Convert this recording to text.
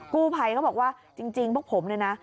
กู้ภัยเขาบอกว่าจริงพวกผมเนี่ยนะ